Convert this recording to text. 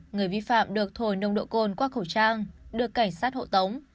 người vi phạm được thổi nồng độ cồn qua khẩu trang được cảnh sát hộ tống